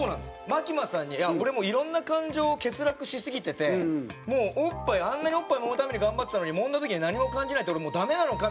マキマさんに「俺いろんな感情欠落しすぎててもうおっぱいあんなにおっぱい揉むために頑張ってたのに揉んだ時に何も感じないって俺もうダメなのか？」